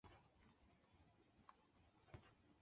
头颅骨很短及高。